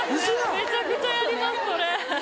めちゃくちゃやりますそれ。